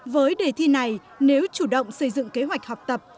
với đề thi này nếu chủ động xây dựng kế hoạch học tập